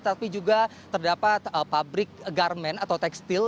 tapi juga terdapat pabrik garmen atau tekstil